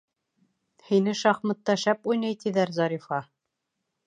— Һине шахматта шәп уйнай тиҙәр, Зарифа...